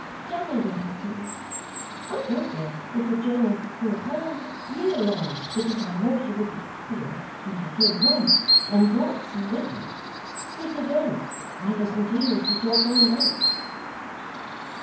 Tell me where it is. I'd go there, if the journey were a whole year long, because I know she would be happier when I came home and brought some with me. Speak again. I'll listen to you if you talk all night.